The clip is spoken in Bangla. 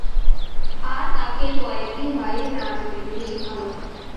আর তাকে কয়েকদিন বাইরে না যেতে দিলেই ভালো হবে।